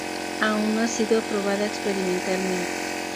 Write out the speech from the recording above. Aun no ha sido probada experimentalmente.